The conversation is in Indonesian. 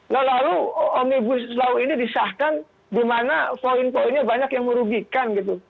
lalu om ibu selalu ini disahkan di mana poin poinnya banyak yang merugikan gitu